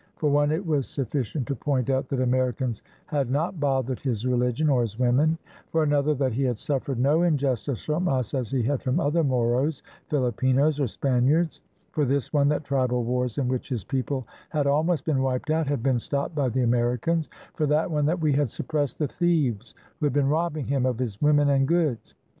For one, it was suffi cient to point out that Americans had not bothered his religion or his women; for another, that he had suffered no injustice from us as he had from other Moros, Filipinos, or Spaniards; for this one, that tribal wars in which his people had almost been wiped out had been stopped by the Americans; for that one, that we had suppressed the thieves who had been robbing him of his women and goods.